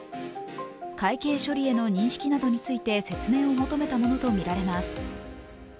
会計処理への認識などについて説明を求めたものとみられます。